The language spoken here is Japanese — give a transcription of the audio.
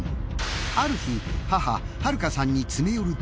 ある日母春香さんに詰め寄ると。